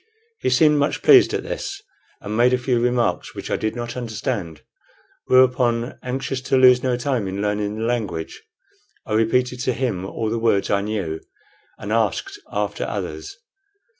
He seemed much pleased at this, and made a few remarks, which I did not understand; whereupon, anxious to lose no time in learning the language, I repeated to him all the words I knew, and asked after others.